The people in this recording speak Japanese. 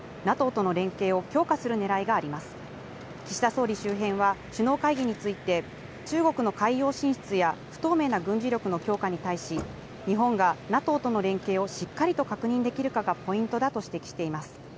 総理周辺は、首脳会議について、中国の海洋進出や不透明な軍事力の強化に対し、日本がＮＡＴＯとの連携をしっかりと確認できるかがポイントだと指摘しています。